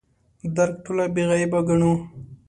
درک ټوله بې عیبه ګڼو.